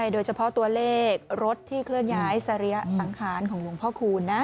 โดยเฉพาะตัวเลขรถที่เคลื่อนย้ายสรีระสังขารของหลวงพ่อคูณนะ